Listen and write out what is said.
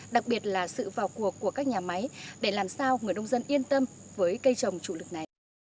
đặc biệt là sự vào cuộc của các nhà máy để làm sao người nông dân yên tâm với cây trồng chủ lực này